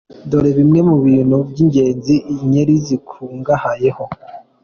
Dore bimwe mu bintu by’ingenzi inkeri zikungahayeho.